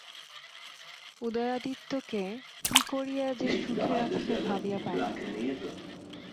উদয়াদিত্যকে কী করিয়া যে সুখে রাখিবে ভাবিয়া পায় না।